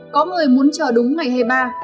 có người muốn chờ đúng ngày hay ba